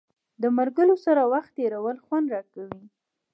د ملګرو سره وخت تېرول خوند راکوي.